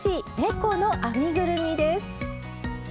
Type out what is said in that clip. この編みぐるみです。